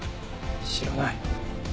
知らない。